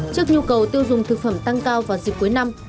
trước nhu cầu tiêu dùng thực phẩm tăng cao vào dịp cuối năm